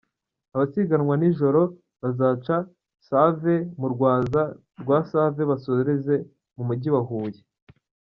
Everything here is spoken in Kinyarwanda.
Abasiganwa nijoro bazaca Save – mu Rwanza – Rwasave basoreze mu mujyi wa Huye.